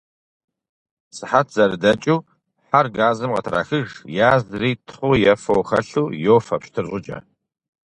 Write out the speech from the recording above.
Сыхьэт зэрыдэкӀыу, хьэр газым къытрахыж, язри, тхъу е фо хэлъу йофэ пщтыр щӀыкӀэ.